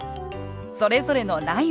それぞれの「ライブ」